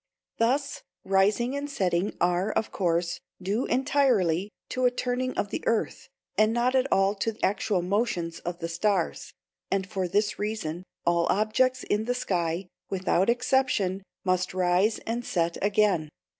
Thus rising and setting are, of course, due entirely to a turning of the earth, and not at all to actual motions of the stars; and for this reason, all objects in the sky, without exception, must rise and set again.